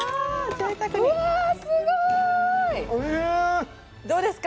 贅沢にうわすごいどうですか？